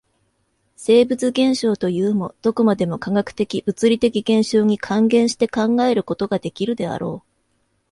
生物現象というも、どこまでも化学的物理的現象に還元して考えることができるであろう。